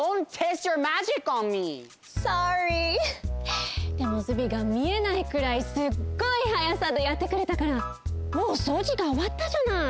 Ｓｏｒｒｙ．でもズビーが見えないくらいすっごいはやさでやってくれたからもうそうじがおわったじゃない。